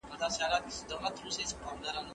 نړۍ بیده ده په رڼا ورځمه